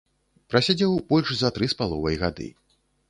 Прасядзеў больш за тры з паловай гады.